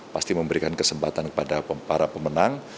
pasti memberikan kesempatan kepada para pemenang